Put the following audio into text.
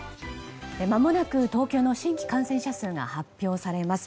まもなく東京の新規感染者数が発表されます。